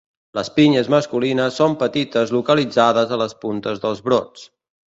Les pinyes masculines són petites localitzades a les puntes dels brots.